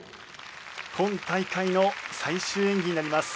今大会の最終演技になります。